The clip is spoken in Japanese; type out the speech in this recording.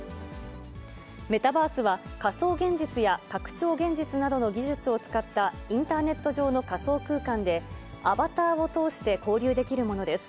メタバースは、仮想現実や拡張現実などの技術を使ったインターネット上の仮想空間で、アバターを通して交流できるものです。